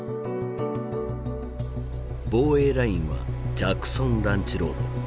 防衛ラインはジャクソン・ランチ・ロード。